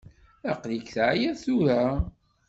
Aql-ik teɛyiḍ tura?